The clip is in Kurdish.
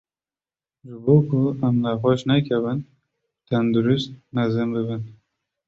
Ji bo ku em nexweş nekevin û tendurist mezin bibin.